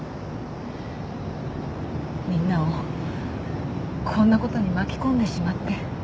みんなをこんなことに巻き込んでしまって。